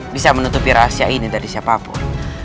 bisa menutupi rahasia ini dari siapapun